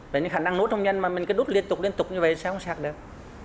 bệnh nhân khả năng nút không nhanh mà mình cứ nút liên tục liên tục như vậy thì sẽ không sặc được